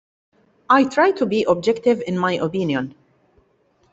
I try to be objective in my opinion.